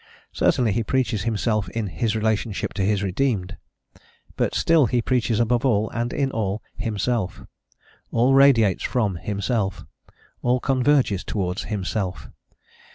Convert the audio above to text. Certainly he preaches himself in His relationship to His redeemed; but still he preaches above all, and in all, Himself. All radiates from Himself, all converges towards Himself....